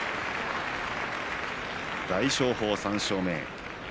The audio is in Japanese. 大翔鵬、３勝目。